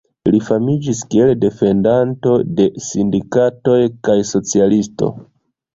Li famiĝis kiel defendanto de sindikatoj kaj socialisto.